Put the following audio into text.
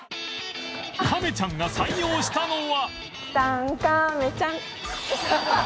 亀ちゃんが採用したのは